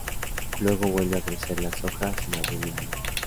Luego vuelve a crecer las hojas, en abril y mayo.